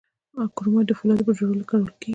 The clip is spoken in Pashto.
کرومایټ د فولادو په جوړولو کې کارول کیږي.